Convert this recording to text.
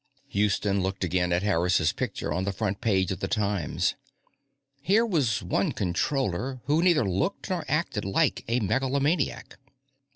Houston looked again at Harris's picture on the front page of the Times. Here was one Controller who neither looked nor acted like a megalomaniac.